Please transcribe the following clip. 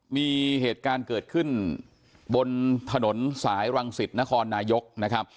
มีเหตุการณ์เกิดขึ้นบนถนนสายรังสิตนครนายกนะครับ